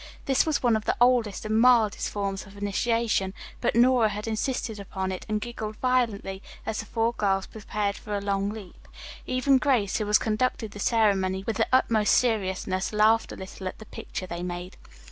This was one of the oldest and mildest forms of initiation, but Nora had insisted upon it, and giggled violently as the four girls prepared for a long leap. Even Grace, who was conducting the ceremony with the utmost seriousness, laughed a little at the picture they made.